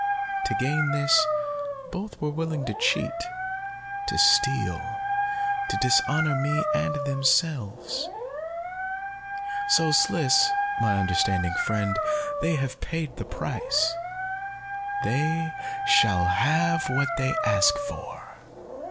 To gain this, both were willing to cheat, to steal, to dishonor me and themselves. "So, Sliss, my understanding friend, they have paid the price, they shall have what they ask for.